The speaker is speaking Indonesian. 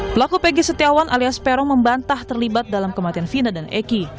pelaku pegi setiawan alias peron membantah terlibat dalam kematian fina dan eki